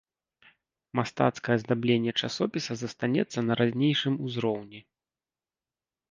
Мастацкае аздабленне часопіса застанецца на ранейшым узроўні.